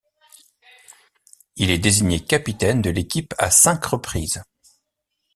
Il est désigné capitaine de l'équipe à cinq reprises.